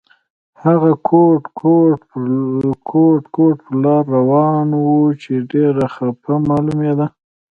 هغه ګوډ ګوډ پر لار روان و چې ډېر خپه معلومېده.